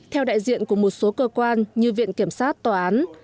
theo đại diện của một số cơ quan như viện kiểm sát tòa án